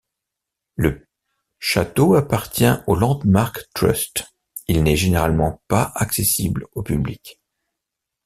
Le château appartient au Landmark Trust, il n'est généralement pas accessible au public.